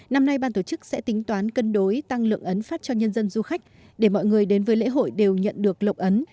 năm nay ban tổ chức sẽ tính toán cân đối tăng lượng ấn phát cho nhân dân du khách để mọi người đến với lễ hội đều nhận được lộng ấn